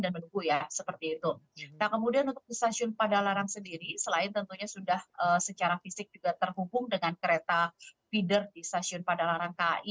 dan kemudian untuk stasiun pada larang sendiri selain tentunya sudah secara fisik juga terhubung dengan kereta feeder di stasiun pada larang kai